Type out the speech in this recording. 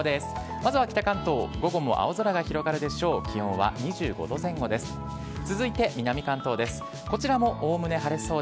まずは北関東、午後も青空が広がるでしょう。